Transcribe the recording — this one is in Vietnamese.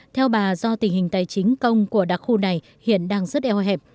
theo bà do tình hình tài chính công của đặc khu này hiện đang rất eo hẹp